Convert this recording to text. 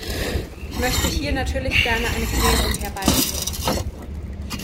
Ich möchte hier natürlich gerne eine Klärung herbeiführen.